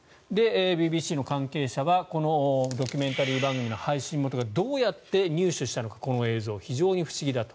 ＢＢＣの関係者はこのドキュメンタリー番組の配信元がどうやって入手したのかこの映像を非常に不思議だと。